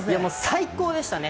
最高でしたね。